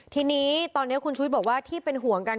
ทีนี้ตอนนี้คุณชุวิตบอกว่าที่เป็นห่วงกัน